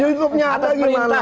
youtube nya ada gimana